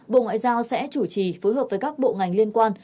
bộ ngoại giao sẽ chủ trì phối hợp với các bộ ngành liên quan